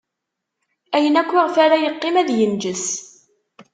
Ayen akk iɣef ara yeqqim ad inǧes.